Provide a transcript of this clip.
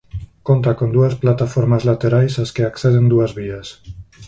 Conta con dúas plataformas laterais ás que acceden dúas vías.